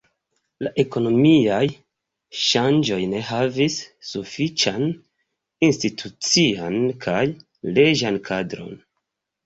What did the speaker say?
La ekonomiaj ŝanĝoj ne havis sufiĉan institucian kaj leĝan kadron.